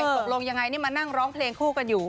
ตกลงยังไงนี่มานั่งร้องเพลงคู่กันอยู่